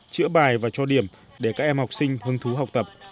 chữa bài và cho điểm để các em học sinh hứng thú học tập